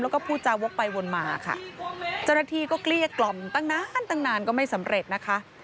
แล้วก็พูดจาวกไปวนมาค่ะเจ้าหน้าที่ก็เกลี้ยกล่อมตั้งนานตั้งนานก็ไม่สำเร็จนะคะ